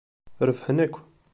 Rebḥen akk!